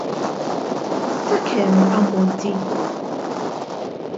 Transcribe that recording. Ta' kemm ammonti?